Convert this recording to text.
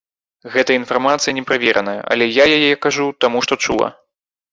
Гэтая інфармацыя неправераная, але я яе кажу, таму што чула.